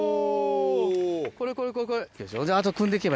これこれこれこれ。